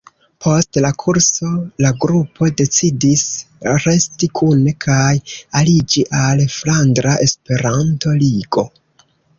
Post la kurso la grupo decidis resti kune kaj aliĝi al Flandra Esperanto-Ligo.